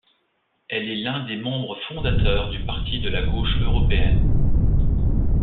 Elle est l'un des membres fondateurs du Parti de la gauche européenne.